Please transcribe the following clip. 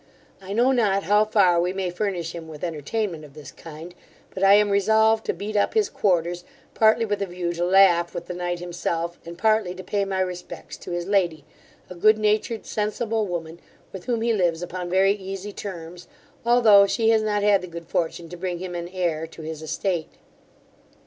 I know not how far we may furnish him with entertainment of this kind, but I am resolved to beat up his quarters, partly with a view to laugh with the knight himself, and partly to pay my respects to his lady, a good natured sensible woman, with whom he lives upon very easy terms, although she has not had the good fortune to bring him an heir to his estate.